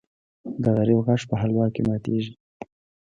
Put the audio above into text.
د غریب غاښ په حلوا کې ماتېږي.